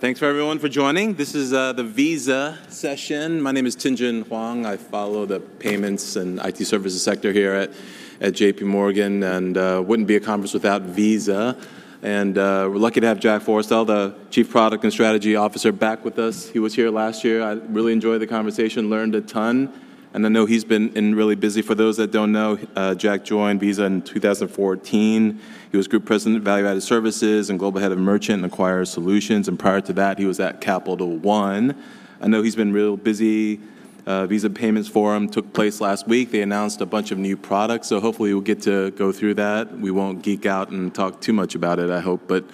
Thanks for everyone for joining. This is the Visa session. My name is Tien-tsin Huang. I follow the payments and IT services sector here at J.P. Morgan, and wouldn't be a conference without Visa. We're lucky to have Jack Forestell, the Chief Product and Strategy Officer, back with us. He was here last year. I really enjoyed the conversation, learned a ton, and I know he's been in really busy. For those that don't know, Jack joined Visa in 2014. He was Group President of Value-Added Services, and Global Head of Merchant and Acquirer Solutions, and prior to that, he was at Capital One. I know he's been real busy. Visa Payments Forum took place last week. They announced a bunch of new products, so hopefully we'll get to go through that. We won't geek out and talk too much about it, I hope, but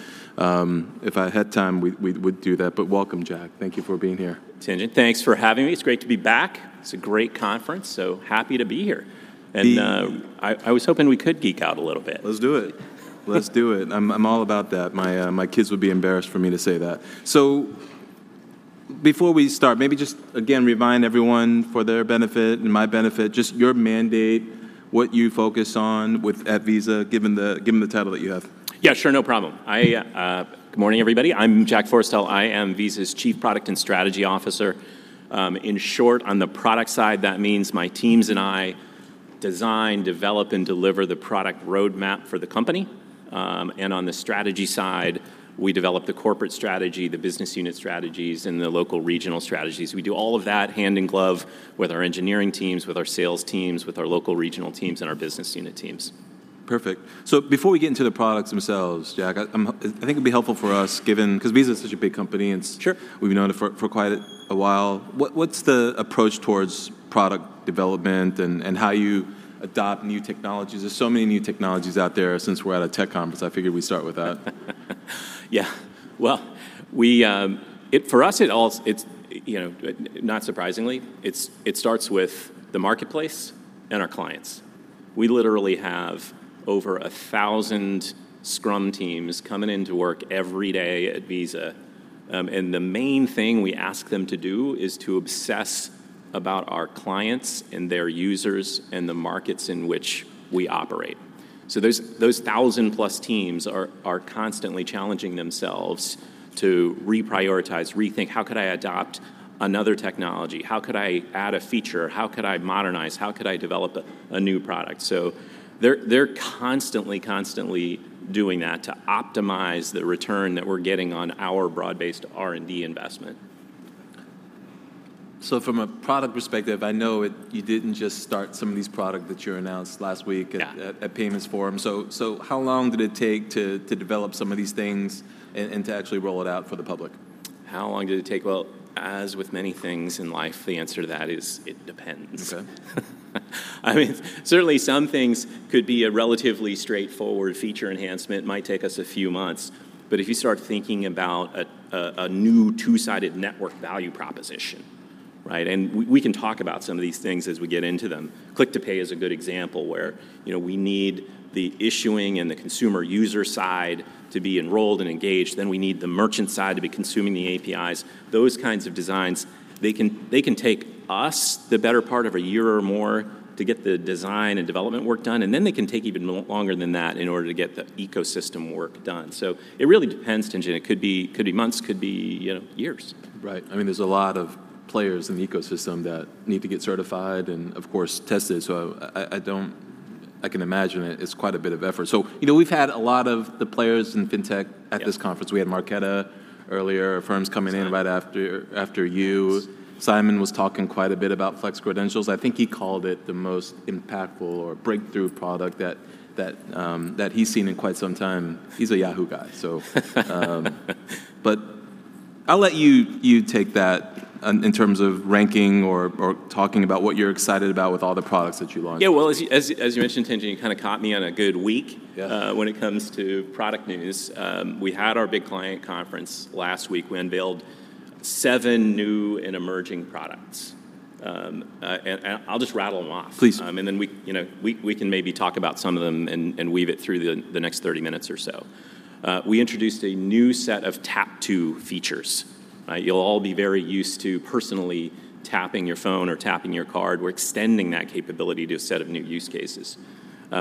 if I had time, we would do that. But welcome, Jack. Thank you for being here. Huang, thanks for having me. It's great to be back. It's a great conference, so happy to be here- The- And, I was hoping we could geek out a little bit. Let's do it. Let's do it. I'm all about that. My kids would be embarrassed for me to say that. So before we start, maybe just again, remind everyone for their benefit and my benefit, just your mandate, what you focus on with at Visa, given the title that you have. Yeah, sure, no problem. Good morning, everybody. I'm Jack Forestell. I am Visa's Chief Product and Strategy Officer. In short, on the product side, that means my teams and I design, develop, and deliver the product roadmap for the company. And on the strategy side, we develop the corporate strategy, the business unit strategies, and the local regional strategies. We do all of that hand in glove with our engineering teams, with our sales teams, with our local regional teams, and our business unit teams. Perfect. So before we get into the products themselves, Jack, I think it'd be helpful for us, given... 'cause Visa is such a big company, and- Sure We've known it for quite a while. What's the approach towards product development and how you adopt new technologies? There's so many new technologies out there. Since we're at a tech conference, I figured we'd start with that. Yeah. Well, for us, it all starts with the marketplace and our clients. You know, not surprisingly, it starts with the marketplace and our clients. We literally have over 1,000 Scrum teams coming into work every day at Visa, and the main thing we ask them to do is to obsess about our clients and their users and the markets in which we operate. So those 1,000+ teams are constantly challenging themselves to reprioritize, rethink, "How could I adopt another technology? How could I add a feature? How could I modernize? How could I develop a new product?" So they're constantly doing that to optimize the return that we're getting on our broad-based R&D investment. From a product perspective, I know it, you didn't just start some of these product that you announced last week- Yeah... at Payments Forum. So, how long did it take to develop some of these things and to actually roll it out for the public? How long did it take? Well, as with many things in life, the answer to that is, it depends. Okay. I mean, certainly some things could be a relatively straightforward feature enhancement, might take us a few months, but if you start thinking about a new two-sided network value proposition, right? And we can talk about some of these things as we get into them. Click to Pay is a good example, where, you know, we need the issuing and the consumer user side to be enrolled and engaged, then we need the merchant side to be consuming the APIs. Those kinds of designs, they can take us the better part of a year or more to get the design and development work done, and then they can take even longer than that in order to get the ecosystem work done. So it really depends, Tien-tsin. It could be, could be months, could be, you know, years. Right. I mean, there's a lot of players in the ecosystem that need to get certified and, of course, tested. So I don't... I can imagine it, it's quite a bit of effort. So, you know, we've had a lot of the players in fintech- Yeah At this conference. We had Marqeta earlier, firms coming in- Simon Right after you. Simon was talking quite a bit about Flex Credentials. I think he called it the most impactful or breakthrough product that he's seen in quite some time. He's a Yahoo! guy, so... but I'll let you take that in terms of ranking or talking about what you're excited about with all the products that you launched. Yeah, well, as you mentioned, Tien-tsin, you kind of caught me on a good week- Yeah When it comes to product news. We had our big client conference last week. We unveiled seven new and emerging products. And I'll just rattle 'em off. Please. And then we, you know, can maybe talk about some of them and weave it through the next 30 minutes or so. We introduced a new set of tap to features. You'll all be very used to personally tapping your phone or tapping your card. We're extending that capability to a set of new use cases.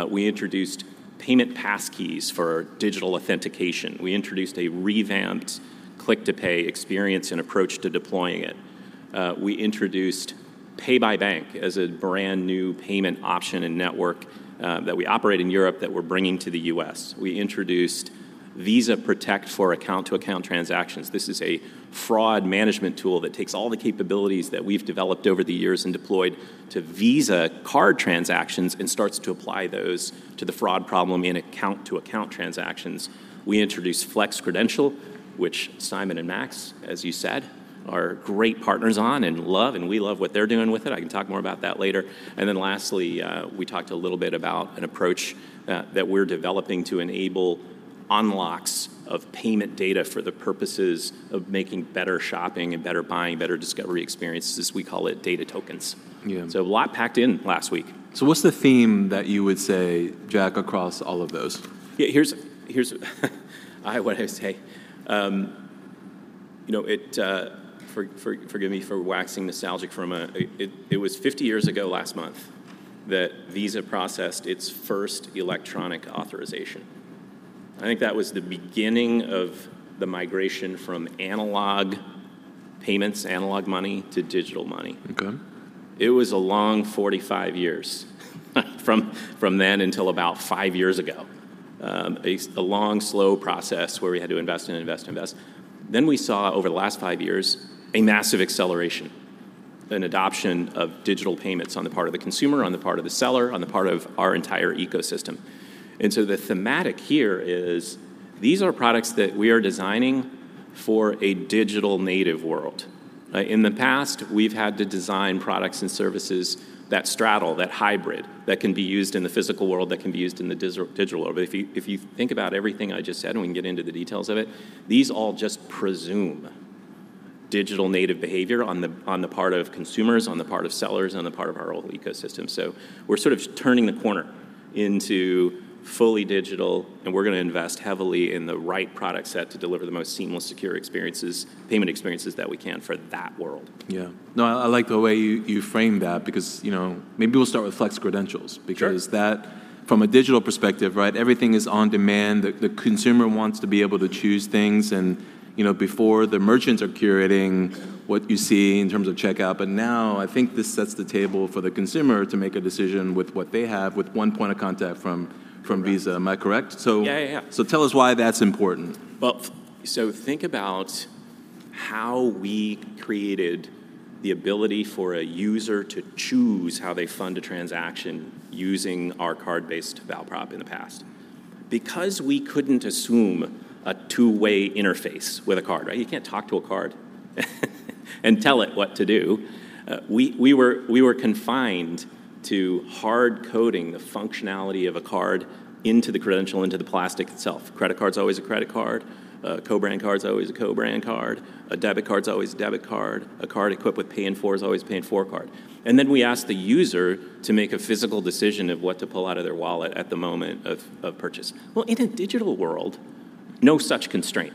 We introduced payment passkeys for digital authentication. We introduced a revamped Click to Pay experience and approach to deploying it. We introduced Pay by Bank as a brand-new payment option and network that we operate in Europe that we're bringing to the U.S. We introduced Visa Protect for account-to-account transactions. This is a fraud management tool that takes all the capabilities that we've developed over the years and deployed to Visa card transactions and starts to apply those to the fraud problem in account-to-account transactions. We introduced Flex Credential, which Simon and Max, as you said, are great partners on and love, and we love what they're doing with it. I can talk more about that later. And then lastly, we talked a little bit about an approach that we're developing to enable unlocks of payment data for the purposes of making better shopping and better buying, better discovery experiences. We call it data tokens. Yeah. A lot packed in last week. So what's the theme that you would say, Jack, across all of those? Yeah, here's what I say, you know, forgive me for waxing nostalgic, but it was 50 years ago last month that Visa processed its first electronic authorization. I think that was the beginning of the migration from analog payments, analog money, to digital money. Okay. It was a long 45 years, from then until about five years ago. A long, slow process where we had to invest and invest, invest. Then we saw, over the last five years, a massive acceleration, an adoption of digital payments on the part of the consumer, on the part of the seller, on the part of our entire ecosystem. And so the thematic here is, these are products that we are designing for a digital-native world. In the past, we've had to design products and services that straddle, that hybrid, that can be used in the physical world, that can be used in the digital world. But if you think about everything I just said, and we can get into the details of it, these all just presume digital-native behavior on the part of consumers, on the part of sellers, on the part of our whole ecosystem. So we're sort of turning the corner into fully digital, and we're gonna invest heavily in the right product set to deliver the most seamless, secure experiences, payment experiences, that we can for that world. Yeah. No, I like the way you frame that because, you know... Maybe we'll start with Flex Credentials- Sure Because that, from a digital perspective, right, everything is on demand. The consumer wants to be able to choose things, and, you know, before, the merchants are curating what you see in terms of checkout. But now, I think this sets the table for the consumer to make a decision with what they have with one point of contact from Visa. Correct. Am I correct? So- Yeah, yeah, yeah. Tell us why that's important? Well, so think about how we created the ability for a user to choose how they fund a transaction using our card-based val prop in the past. Because we couldn't assume a two-way interface with a card, right? You can't talk to a card and tell it what to do. We were confined to hard-coding the functionality of a card into the credential, into the plastic itself. Credit card's always a credit card, a co-brand card's always a co-brand card, a debit card's always a debit card, a card equipped with pay in four is always a pay in four card. And then we ask the user to make a physical decision of what to pull out of their wallet at the moment of purchase. Well, in a digital world, no such constraint.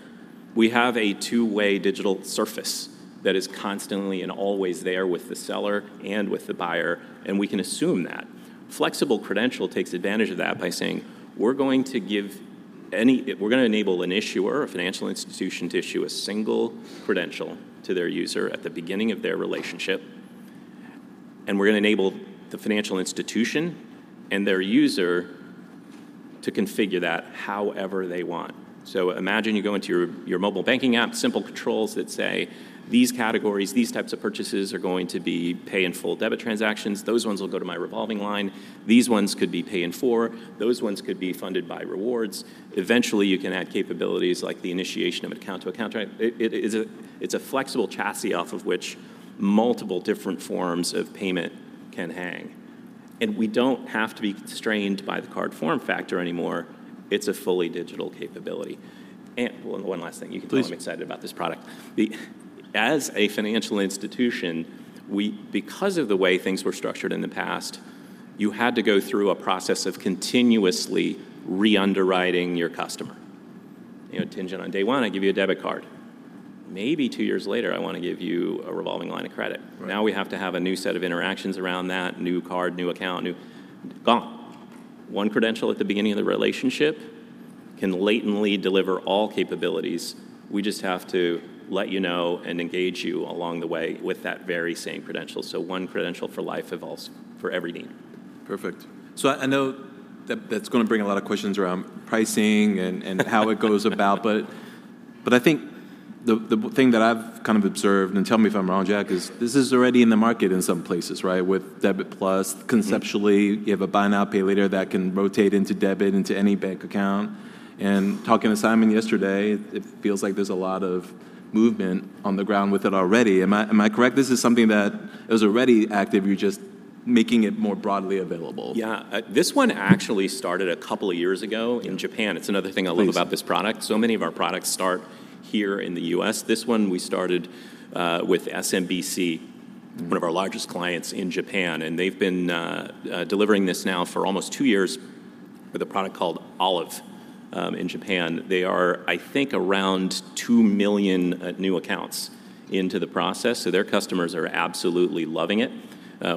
We have a two-way digital surface that is constantly and always there with the seller and with the buyer, and we can assume that. Flexible Credential takes advantage of that by saying, "We're going to give. We're gonna enable an issuer or financial institution to issue a single credential to their user at the beginning of their relationship, and we're gonna enable the financial institution and their user to configure that however they want." So imagine you go into your mobile banking app, simple controls that say, "These categories, these types of purchases, are going to be pay-in-full debit transactions. Those ones will go to my revolving line. These ones could be pay in four. Those ones could be funded by rewards." Eventually, you can add capabilities like the initiation of account-to-account. It's a flexible chassis off of which multiple different forms of payment can hang, and we don't have to be constrained by the card form factor anymore. It's a fully digital capability. And one last thing- Please. You can tell I'm excited about this product. As a financial institution, we... Because of the way things were structured in the past, you had to go through a process of continuously re-underwriting your customer. You know, Tien-tsin Huang, on day one, I give you a debit card. Maybe two years later, I wanna give you a revolving line of credit. Right. Now we have to have a new set of interactions around that, new card, new account, new... Gone. One credential at the beginning of the relationship can latently deliver all capabilities. We just have to let you know and engage you along the way with that very same credential, so one credential for life evolves for everything. Perfect. So I know that that's gonna bring a lot of questions around pricing and how it goes about, but I think the big thing that I've kind of observed, and tell me if I'm wrong, Jack, is this is already in the market in some places, right, with Debit Plus. Mm-hmm. Conceptually, you have a buy now, pay later that can rotate into debit, into any bank account. Talking to Simon yesterday, it feels like there's a lot of movement on the ground with it already. Am I correct? This is something that is already active, you're just making it more broadly available. Yeah. This one actually started a couple of years ago- Yeah In Japan. It's another thing I love- Please About this product. So many of our products start here in the U.S. This one, we started with SMBC- Mm One of our largest clients in Japan, and they've been delivering this now for almost two years with a product called Olive in Japan. They are, I think, around 2 million new accounts into the process, so their customers are absolutely loving it.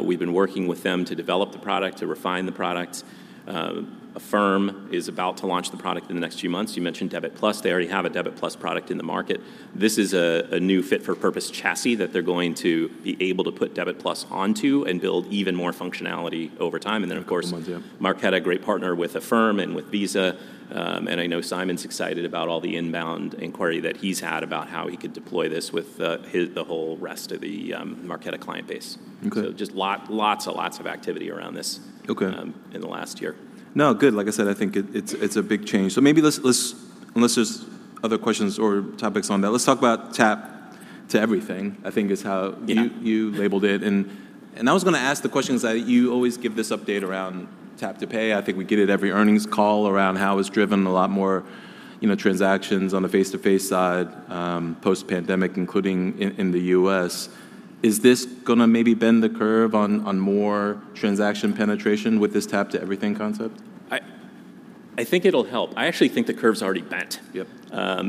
We've been working with them to develop the product, to refine the product. Affirm is about to launch the product in the next few months. You mentioned Debit Plus. They already have a Debit Plus product in the market. This is a new fit-for-purpose chassis that they're going to be able to put Debit Plus onto and build even more functionality over time. Yeah, great one. Yeah. And then, of course, Marqeta, a great partner with Affirm and with Visa, and I know Simon's excited about all the inbound inquiry that he's had about how he could deploy this with his, the whole rest of the Marqeta client base. Okay. Just lots and lots of activity around this... Okay In the last year. No, good. Like I said, I think it's a big change. So maybe let's unless there's other questions or topics on that, let's talk about Tap to Everything, I think is how- Yeah You labeled it. And I was gonna ask the question, is that you always give this update around tap to pay. I think we get it every earnings call around how it's driven a lot more, you know, transactions on the face-to-face side, post-pandemic, including in the US. Is this gonna maybe bend the curve on more transaction penetration with this Tap to Everything concept? I- I think it'll help. I actually think the curve's already bent. Yep.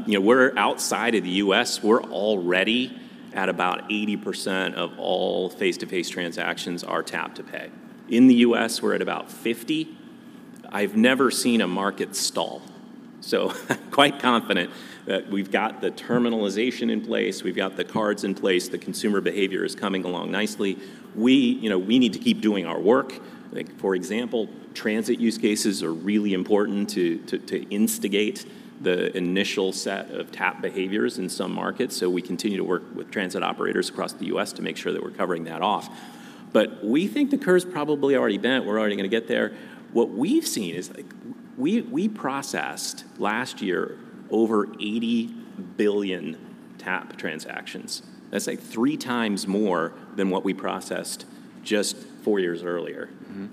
You know, we're outside of the U.S., we're already at about 80% of all face-to-face transactions are tap-to-pay. In the U.S., we're at about 50. I've never seen a market stall, so quite confident that we've got the terminalization in place, we've got the cards in place, the consumer behavior is coming along nicely. We, you know, we need to keep doing our work. Like, for example, transit use cases are really important to instigate the initial set of tap behaviors in some markets, so we continue to work with transit operators across the U.S. to make sure that we're covering that off. But we think the curve's probably already bent. We're already gonna get there. What we've seen is, like, we processed last year over 80 billion tap transactions. That's, like, three times more than what we processed just four years earlier. Mm-hmm.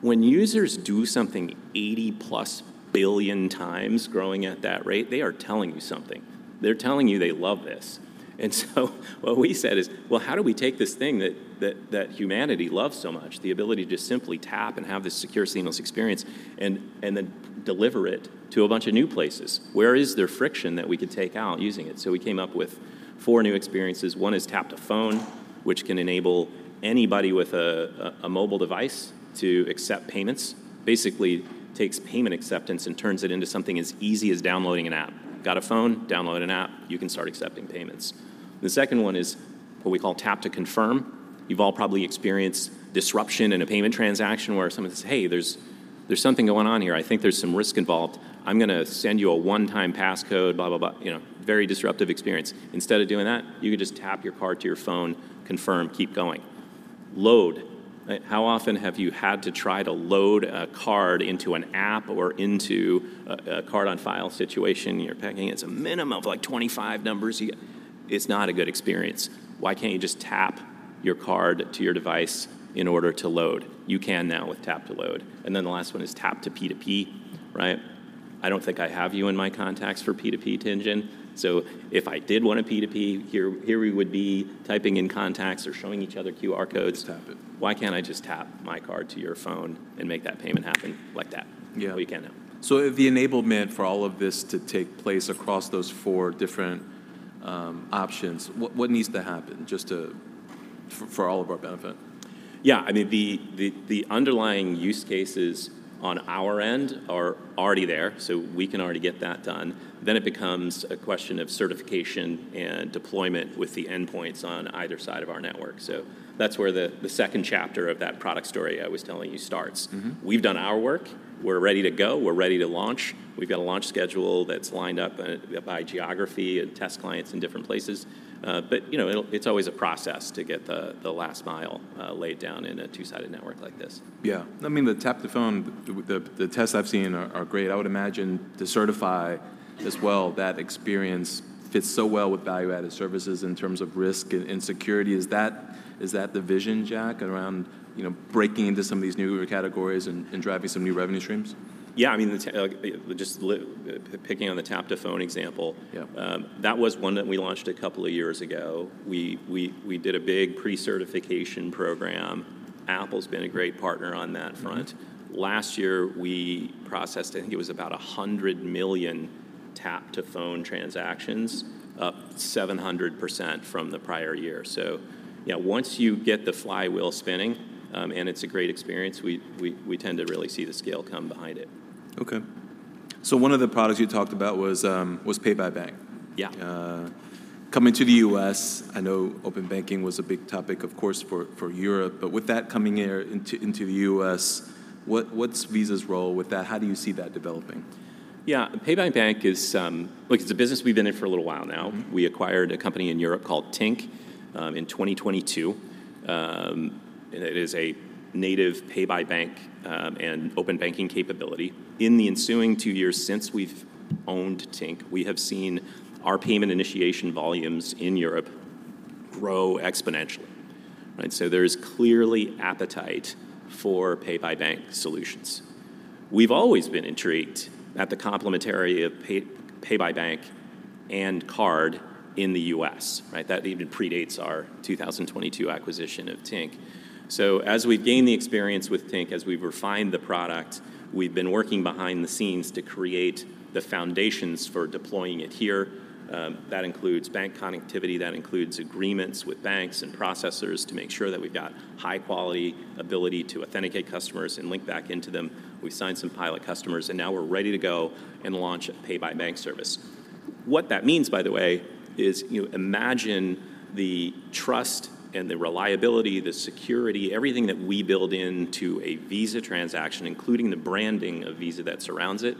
When users do something 80+ billion times, growing at that rate, they are telling you something. They're telling you they love this. And so what we said is, "Well, how do we take this thing that humanity loves so much, the ability to just simply tap and have this secure, seamless experience, and then deliver it to a bunch of new places? Where is there friction that we could take out using it?" So we came up with four new experiences. One is Tap to Phone, which can enable anybody with a mobile device to accept payments. Basically, takes payment acceptance and turns it into something as easy as downloading an app. Got a phone, download an app, you can start accepting payments. The second one is what we call Tap to Confirm. You've all probably experienced disruption in a payment transaction, where someone says, "Hey, there's something going on here. I think there's some risk involved. I'm gonna send you a one-time passcode," blah, blah, blah. You know, very disruptive experience. Instead of doing that, you can just tap your card to your phone, confirm, keep going. Load, right? How often have you had to try to load a card into an app or into a card-on-file situation, and you're typing in... It's a minimum of, like, 25 numbers. It's not a good experience. Why can't you just tap your card to your device in order to load? You can now with Tap to Load. And then the last one is Tap to P2P, right? I don't think I have you in my contacts for P2P, Tien-tsin, so if I did want to P2P, here, here we would be typing in contacts or showing each other QR codes. Just tap it. Why can't I just tap my card to your phone and make that payment happen like that? Yeah. Well, you can now. So the enablement for all of this to take place across those four different options, what needs to happen, just to... for all of our benefit? Yeah, I mean, the underlying use cases on our end are already there, so we can already get that done. Then it becomes a question of certification and deployment with the endpoints on either side of our network. So that's where the second chapter of that product story I was telling you starts. Mm-hmm. We've done our work. We're ready to go. We're ready to launch. We've got a launch schedule that's lined up by geography and test clients in different places. But, you know, it's always a process to get the last mile laid down in a two-sided network like this. Yeah. I mean, the Tap to Phone, the tests I've seen are great. I would imagine to certify as well, that experience fits so well with value-added services in terms of risk and security. Is that the vision, Jack, around, you know, breaking into some of these newer categories and driving some new revenue streams? Yeah, I mean, just like picking on the Tap to Phone example- Yeah That was one that we launched a couple of years ago. We did a big pre-certification program. Apple's been a great partner on that front. Mm-hmm. Last year, we processed, I think it was about 100 million Tap to Phone transactions- Mm Up 700% from the prior year. So yeah, once you get the flywheel spinning, and it's a great experience, we tend to really see the scale come behind it. Okay. So one of the products you talked about was Pay by Bank. Yeah. Coming to the U.S., I know open banking was a big topic, of course, for Europe, but with that coming here into the U.S., what's Visa's role with that? How do you see that developing? Yeah, Pay by Bank is... Look, it's a business we've been in for a little while now. Mm. We acquired a company in Europe called Tink in 2022. And it is a native pay-by-bank and open banking capability. In the ensuing two years since we've owned Tink, we have seen our payment initiation volumes in Europe grow exponentially, right? So there's clearly appetite for pay-by-bank solutions. We've always been intrigued at the complementarity of pay, pay-by-bank and card in the U.S., right? That even predates our 2022 acquisition of Tink. So as we've gained the experience with Tink, as we've refined the product, we've been working behind the scenes to create the foundations for deploying it here. That includes bank connectivity, that includes agreements with banks and processors to make sure that we've got high-quality ability to authenticate customers and link back into them. We've signed some pilot customers, and now we're ready to go and launch a pay-by-bank service. What that means, by the way, is, you know, imagine the trust and the reliability, the security, everything that we build into a Visa transaction, including the branding of Visa that surrounds it,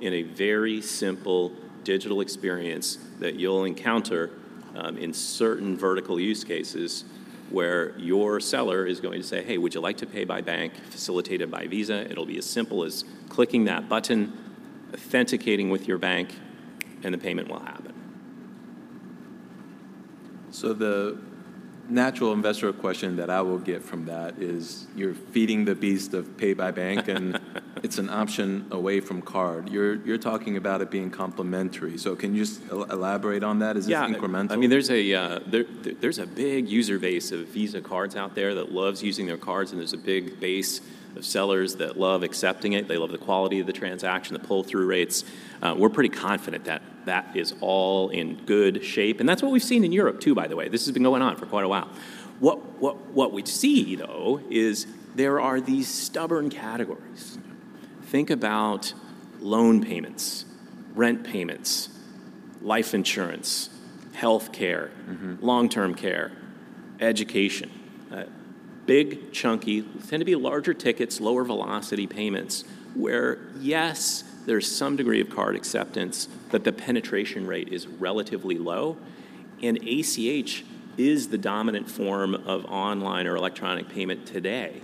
in a very simple digital experience that you'll encounter, in certain vertical use cases, where your seller is going to say, "Hey, would you like to pay by bank, facilitated by Visa?" It'll be as simple as clicking that button, authenticating with your bank, and the payment will happen. So the natural investor question that I will get from that is, you're feeding the beast of Pay by Bank, and it's an option away from card. You're talking about it being complementary, so can you elaborate on that? Yeah. Is this incremental? I mean, there's a big user base of Visa cards out there that loves using their cards, and there's a big base of sellers that love accepting it. They love the quality of the transaction, the pull-through rates. We're pretty confident that that is all in good shape, and that's what we've seen in Europe, too, by the way. This has been going on for quite a while. What we see, though, is there are these stubborn categories. Think about loan payments, rent payments, life insurance, healthcare- Mm-hmm Long-term care, education. Big, chunky, tend to be larger tickets, lower velocity payments, where, yes, there's some degree of card acceptance, but the penetration rate is relatively low, and ACH is the dominant form of online or electronic payment today.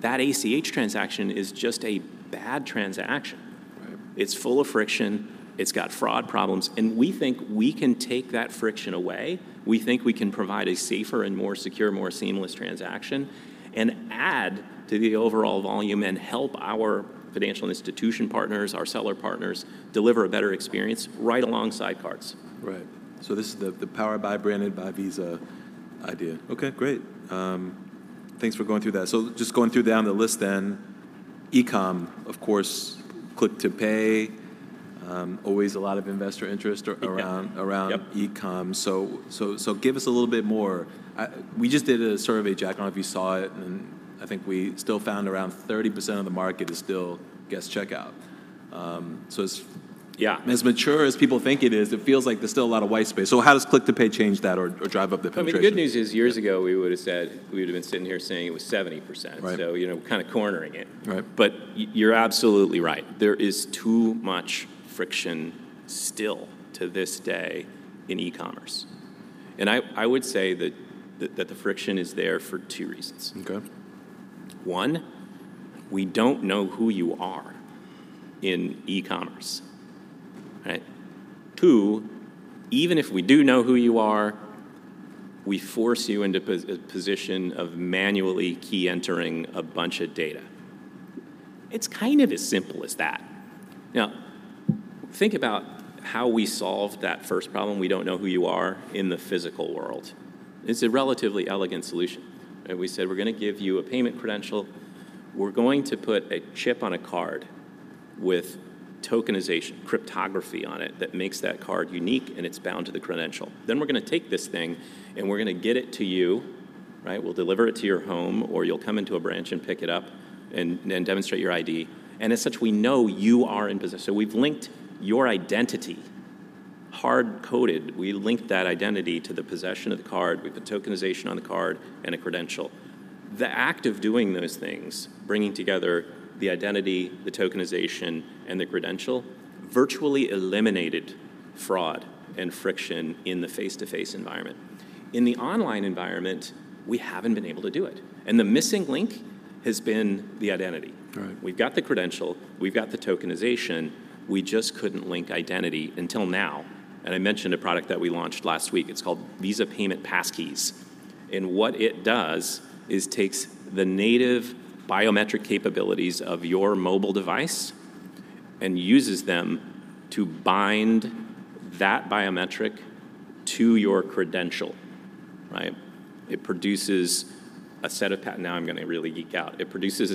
That ACH transaction is just a bad transaction. Right. It's full of friction, it's got fraud problems, and we think we can take that friction away. We think we can provide a safer and more secure, more seamless transaction and add to the overall volume and help our financial institution partners, our seller partners, deliver a better experience right alongside cards. Right. So this is the powered by, branded by Visa idea. Okay, great. Thanks for going through that. So just going through down the list then, e-com, of course, Click to Pay, always a lot of investor interest around- Yep Around e-com. So, give us a little bit more. We just did a survey, Jack. I don't know if you saw it, and I think we still found around 30% of the market is still guest checkout. So it's- Yeah As mature as people think it is, it feels like there's still a lot of white space. So how does Click to Pay change that or, or drive up the penetration? I mean, the good news is years ago, we would've said... We would've been sitting here saying it was 70%. Right. You know, we're kind of cornering it. Right. But you're absolutely right. There is too much friction still to this day in e-commerce, and I would say that the friction is there for two reasons. Okay. One, we don't know who you are in e-commerce, right? Two, even if we do know who you are, we force you into a position of manually key entering a bunch of data. It's kind of as simple as that. Now, think about how we solved that first problem, we don't know who you are, in the physical world. It's a relatively elegant solution, and we said, "We're gonna give you a payment credential. We're going to put a chip on a card with tokenization, cryptography on it, that makes that card unique, and it's bound to the credential. Then we're gonna take this thing, and we're gonna get it to you, right? We'll deliver it to your home, or you'll come into a branch and pick it up and demonstrate your ID, and as such, we know you are in possess..." So we've linked your identity, hard-coded, we linked that identity to the possession of the card with the tokenization on the card and a credential. The act of doing those things, bringing together the identity, the tokenization, and the credential, virtually eliminated fraud and friction in the face-to-face environment. In the online environment, we haven't been able to do it, and the missing link has been the identity. Right. We've got the credential, we've got the tokenization, we just couldn't link identity until now, and I mentioned a product that we launched last week. It's called Visa Payment Passkeys, and what it does is takes the native biometric capabilities of your mobile device and uses them to bind that biometric to your credential, right? It produces a set, now I'm gonna really geek out. It produces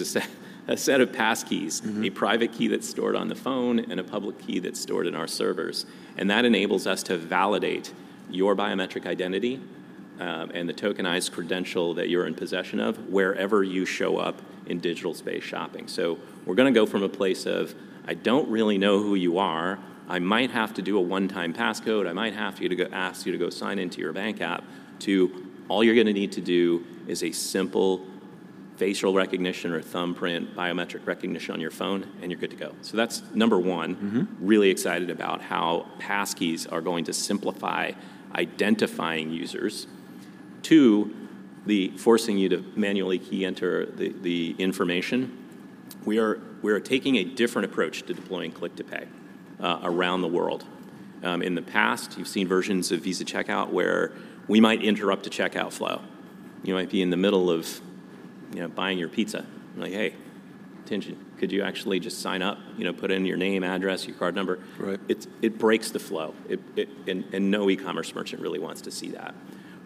a set, a set of passkeys- Mm-hmm A private key that's stored on the phone and a public key that's stored in our servers, and that enables us to validate your biometric identity, and the tokenized credential that you're in possession of wherever you show up in digital space shopping. So we're gonna go from a place of, "I don't really know who you are. I might have to do a one-time pass code. I might have to go ask you to go sign into your bank app," to, "All you're gonna need to do is a simple facial recognition or thumbprint biometric recognition on your phone, and you're good to go." So that's number one. Mm-hmm. Really excited about how passkeys are going to simplify identifying users. Two, the forcing you to manually key enter the information, we are taking a different approach to deploying Click to Pay around the world. In the past, you've seen versions of Visa Checkout where we might interrupt a checkout flow. You might be in the middle of, you know, buying your pizza, and like, "Hey, attention, could you actually just sign up? You know, put in your name, address, your card number. Right. It breaks the flow. It and no e-commerce merchant really wants to see that.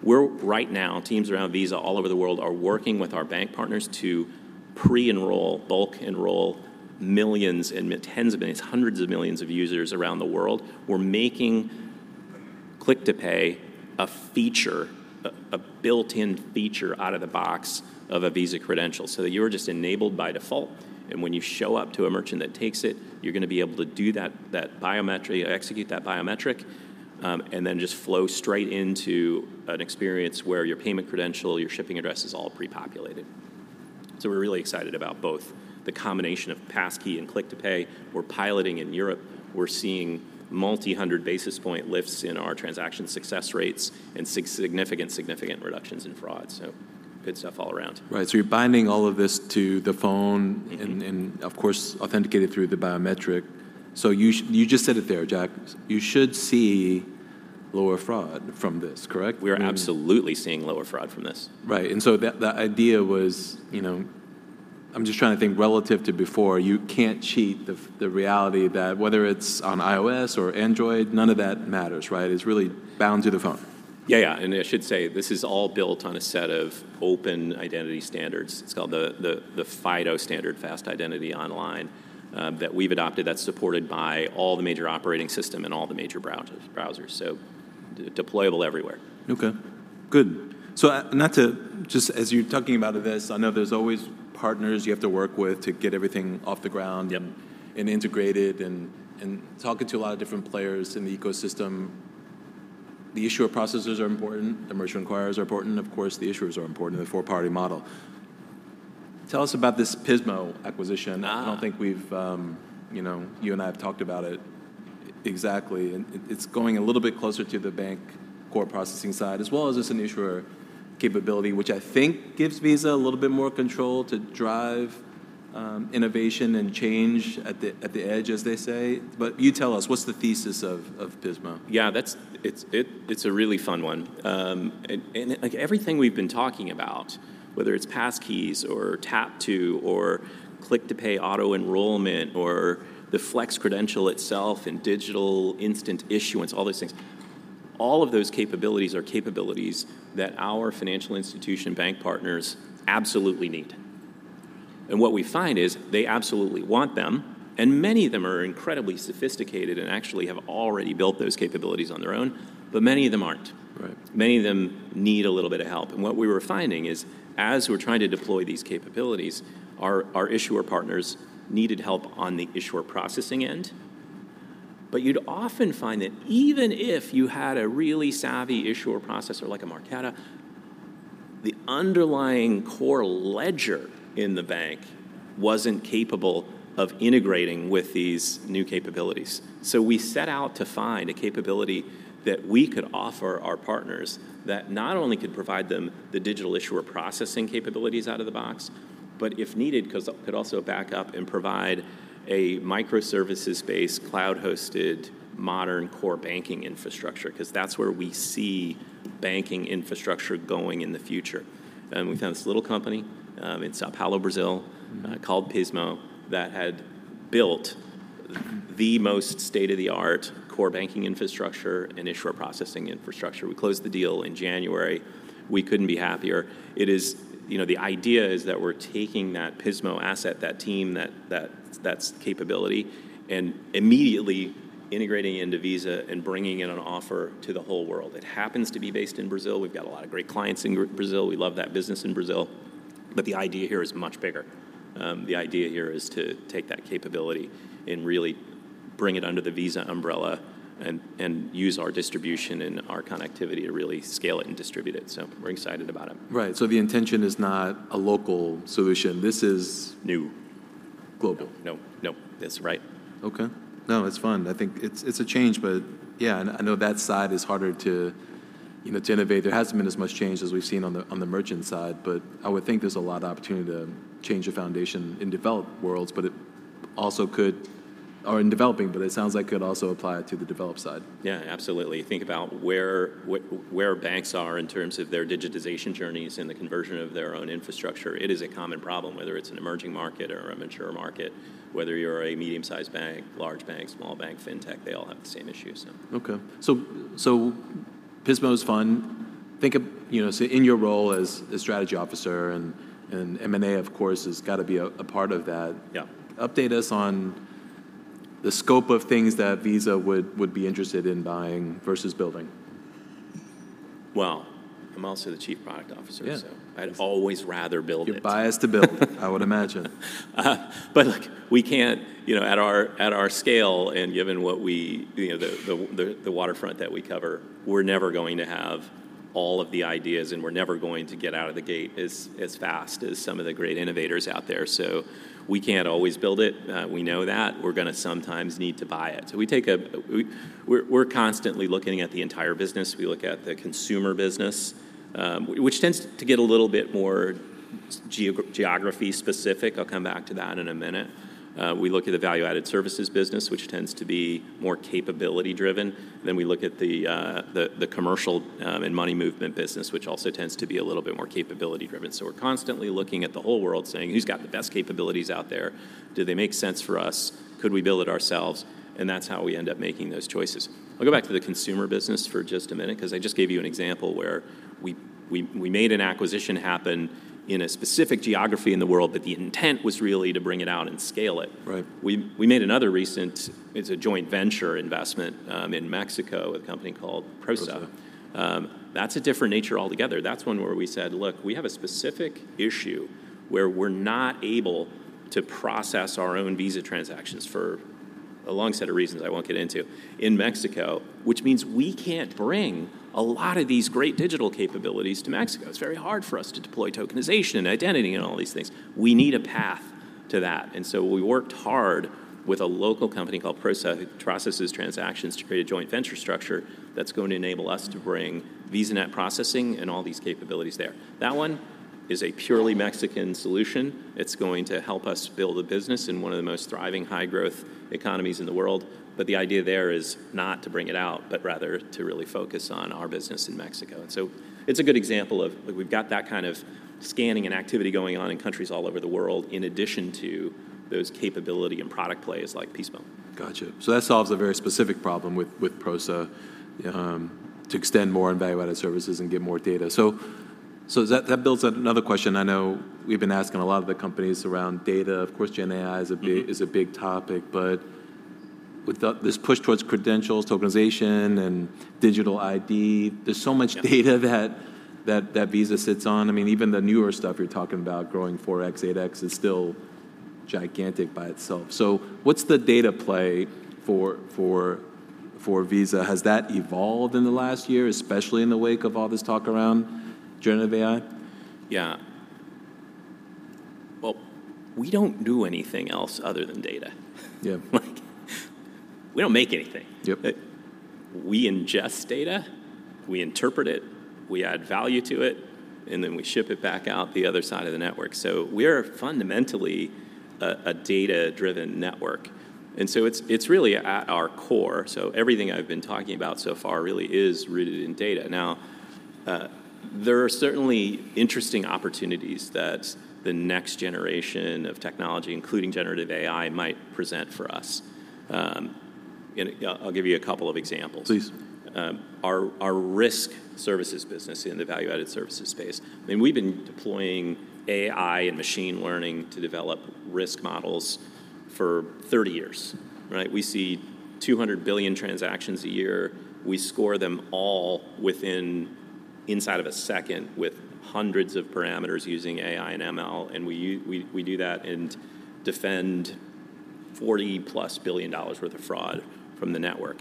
We're right now, teams around Visa all over the world are working with our bank partners to pre-enroll, bulk enroll millions and tens of millions, hundreds of millions of users around the world. We're making Click to Pay a feature, a built-in feature out of the box of a Visa credential, so that you're just enabled by default, and when you show up to a merchant that takes it, you're gonna be able to do that biometric, execute that biometric, and then just flow straight into an experience where your payment credential, your shipping address is all pre-populated. So we're really excited about both the combination of passkey and Click to Pay. We're piloting in Europe. We're seeing multi-hundred basis points lifts in our transaction success rates and significant reductions in fraud, so good stuff all around. Right, so you're binding all of this to the phone- Mm-hmm And of course, authenticated through the biometric. So you just said it there, Jack, you should see lower fraud from this, correct? We are absolutely seeing lower fraud from this. Right, and so the idea was, you know... I'm just trying to think relative to before, you can't cheat the reality that whether it's on iOS or Android, none of that matters, right? It's really bound to the phone. Yeah, yeah, and I should say this is all built on a set of open identity standards. It's called the FIDO standard, Fast Identity Online, that we've adopted, that's supported by all the major operating system and all the major browsers. So deployable everywhere. Okay, good. So, not to... Just as you're talking about this, I know there's always partners you have to work with to get everything off the ground- Yeah And integrated, and talking to a lot of different players in the ecosystem. The issuer processors are important, the merchant acquirers are important, of course, the issuers are important in a four-party model. Tell us about this Pismo acquisition. Ah. I don't think we've, you know, you and I have talked about it exactly, and it, it's going a little bit closer to the bank core processing side, as well as just an issuer capability, which I think gives Visa a little bit more control to drive, innovation and change at the, at the edge, as they say. But you tell us, what's the thesis of Pismo? Yeah, that's... It's, it's a really fun one. And like everything we've been talking about, whether it's passkeys or tap to, orClick to Pay auto-enrollment, or the flex credential itself and digital instant issuance, all these things, all of those capabilities are capabilities that our financial institution bank partners absolutely need. And what we find is they absolutely want them, and many of them are incredibly sophisticated and actually have already built those capabilities on their own, but many of them aren't. Right. Many of them need a little bit of help. What we were finding is, as we're trying to deploy these capabilities, our issuer partners needed help on the issuer processing end. You'd often find that even if you had a really savvy issuer processor, like a Marqeta, the underlying core ledger in the bank wasn't capable of integrating with these new capabilities. We set out to find a capability that we could offer our partners that not only could provide them the digital issuer processing capabilities out of the box, but if needed, 'cause could also back up and provide a microservices-based, cloud-hosted, modern core banking infrastructure, 'cause that's where we see banking infrastructure going in the future. We found this little company in São Paulo, Brazil. Mm-hmm Called Pismo, that had built the most state-of-the-art core banking infrastructure and issuer processing infrastructure. We closed the deal in January. We couldn't be happier. It is... You know, the idea is that we're taking that Pismo asset, that team, that capability, and immediately integrating into Visa and bringing in an offer to the whole world. It happens to be based in Brazil. We've got a lot of great clients in Brazil. We love that business in Brazil, but the idea here is much bigger. The idea here is to take that capability and really bring it under the Visa umbrella, and use our distribution and our connectivity to really scale it and distribute it. So we're excited about it. Right. So the intention is not a local solution. This is- New Global. No, no. That's right. Okay. No, it's fun. I think it's, it's a change, but yeah, and I know that side is harder to, you know, to innovate. There hasn't been as much change as we've seen on the, on the merchant side, but I would think there's a lot of opportunity to change the foundation in developed worlds, but it also could... or in developing, but it sounds like it could also apply to the developed side. Yeah, absolutely. Think about where banks are in terms of their digitization journeys and the conversion of their own infrastructure. It is a common problem, whether it's an emerging market or a mature market, whether you're a medium-sized bank, large bank, small bank, fintech, they all have the same issues, so. Okay. So Pismo is fun. Think of, you know, so in your role as a strategy officer, and M&A, of course, has got to be a part of that. Yeah. Update us on the scope of things that Visa would be interested in buying versus building. Well, I'm also the Chief Product Officer- Yeah So I'd always rather build it. You're biased to build, I would imagine. But, like, we can't, you know, at our scale, and given what we you know the waterfront that we cover, we're never going to have all of the ideas, and we're never going to get out of the gate as fast as some of the great innovators out there. So we can't always build it, we know that. We're gonna sometimes need to buy it. So we're constantly looking at the entire business. We look at the consumer business, which tends to get a little bit more geography specific. I'll come back to that in a minute. We look at the value-added services business, which tends to be more capability-driven, then we look at the commercial and money movement business, which also tends to be a little bit more capability-driven. So we're constantly looking at the whole world, saying: "Who's got the best capabilities out there? Do they make sense for us? Could we build it ourselves?" And that's how we end up making those choices. I'll go back to the consumer business for just a minute, 'cause I just gave you an example where we made an acquisition happen in a specific geography in the world, but the intent was really to bring it out and scale it. Right. We made another recent. It's a joint venture investment in Mexico, a company called Prosa. Prosa. That's a different nature altogether. That's one where we said: "Look, we have a specific issue where we're not able to process our own Visa transactions for a long set of reasons I won't get into, in Mexico, which means we can't bring a lot of these great digital capabilities to Mexico." It's very hard for us to deploy tokenization, and identity, and all these things. We need a path to that. And so we worked hard with a local company called Prosa, who processes transactions, to create a joint venture structure that's going to enable us to bring VisaNet processing and all these capabilities there. That one is a purely Mexican solution. It's going to help us build a business in one of the most thriving, high-growth economies in the world. The idea there is not to bring it out, but rather to really focus on our business in Mexico. So it's a good example of, like, we've got that kind of scanning and activity going on in countries all over the world, in addition to those capability and product plays like Pismo. Gotcha. So that solves a very specific problem with Prosa to extend more on value-added services and get more data. So that builds up another question I know we've been asking a lot of the companies around data. Of course, Gen AI is a big- Mm-hmm Is a big topic, but with this push towards credentials, tokenization, and digital ID, there's so much- Yeah Data that Visa sits on. I mean, even the newer stuff you're talking about, growing 4x, 8x, is still gigantic by itself. So what's the data play for Visa? Has that evolved in the last year, especially in the wake of all this talk around generative AI? Yeah. Well, we don't do anything else other than data. Yeah. Like, we don't make anything. Yep. We ingest data, we interpret it, we add value to it, and then we ship it back out the other side of the network. So we're fundamentally a data-driven network, and so it's really at our core. So everything I've been talking about so far really is rooted in data. Now, there are certainly interesting opportunities that the next generation of technology, including generative AI, might present for us. And I'll give you a couple of examples. Please. Our risk services business in the value-added services space, I mean, we've been deploying AI and machine learning to develop risk models for 30 years, right? We see 200 billion transactions a year. We score them all within inside of a second with hundreds of parameters using AI and ML, and we do that and defend $40+ billion worth of fraud from the network.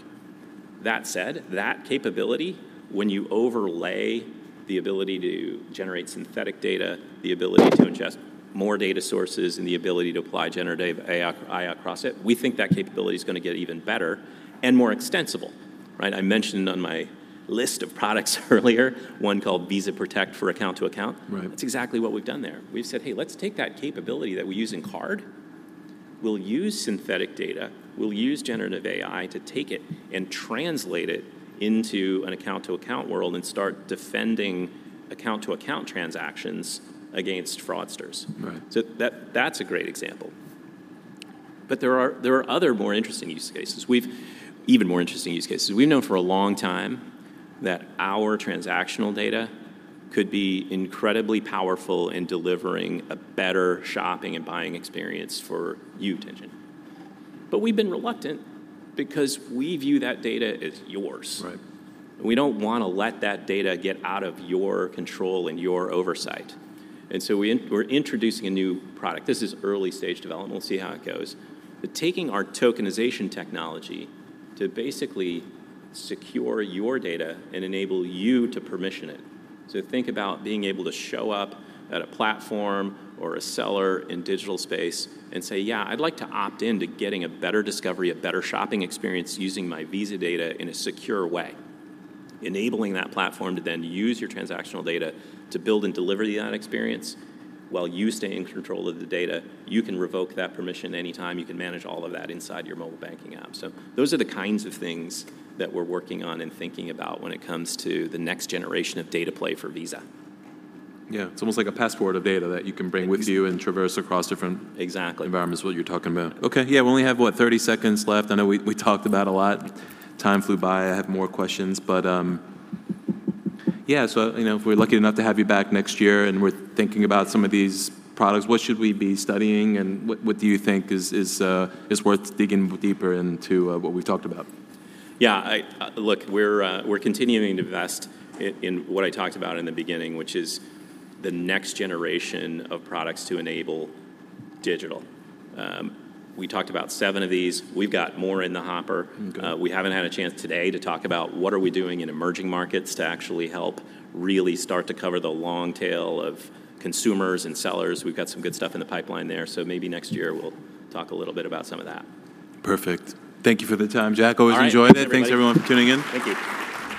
That said, that capability, when you overlay the ability to generate synthetic data, the ability to ingest more data sources, and the ability to apply generative AI across it, we think that capability is going to get even better and more extensible, right? I mentioned on my list of products earlier, one called Visa Protect for account-to-account. Right. That's exactly what we've done there. We've said, "Hey, let's take that capability that we use in card. We'll use synthetic data. We'll use generative AI to take it and translate it into an account-to-account world and start defending account-to-account transactions against fraudsters. Right. So that's a great example. But there are other more interesting use cases. We have even more interesting use cases. We've known for a long time that our transactional data could be incredibly powerful in delivering a better shopping and buying experience for you, Tien-tsin. But we've been reluctant because we view that data as yours. Right. We don't want to let that data get out of your control and your oversight, and so we're introducing a new product. This is early-stage development. We'll see how it goes. But taking our tokenization technology to basically secure your data and enable you to permission it. So think about being able to show up at a platform or a seller in digital space and say, "Yeah, I'd like to opt in to getting a better discovery, a better shopping experience, using my Visa data in a secure way." Enabling that platform to then use your transactional data to build and deliver that experience while you stay in control of the data, you can revoke that permission anytime. You can manage all of that inside your mobile banking app. Those are the kinds of things that we're working on and thinking about when it comes to the next generation of data play for Visa. Yeah, it's almost like a passport of data that you can bring with you- Exactly And traverse across different environments, what you're talking about. Okay, yeah, we only have, what, 30 seconds left? I know we talked about a lot. Time flew by. I have more questions, but yeah, so you know, if we're lucky enough to have you back next year, and we're thinking about some of these products, what should we be studying, and what do you think is worth digging deeper into what we've talked about? Yeah, I... Look, we're, we're continuing to invest in, in what I talked about in the beginning, which is the next generation of products to enable digital. We talked about seven of these. We've got more in the hopper. Mm-hmm. We haven't had a chance today to talk about what are we doing in emerging markets to actually help really start to cover the long tail of consumers and sellers. We've got some good stuff in the pipeline there, so maybe next year we'll talk a little bit about some of that. Perfect. Thank you for the time, Jack. All right. Always enjoyed it. Thanks, everyone, for tuning in. Thank you.